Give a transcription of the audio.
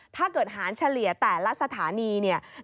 ถ้าเกิดหารเฉลี่ยแต่ละสถานีเนี่ย